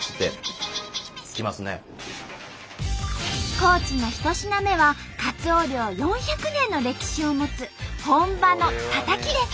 高知の１品目はカツオ漁４００年の歴史を持つ本場のタタキです！